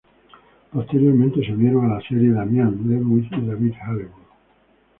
Posteriormente, se unieron a la serie Damian Lewis y David Harewood.